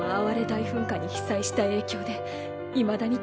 大噴火に被災した影響で桃ちゃん。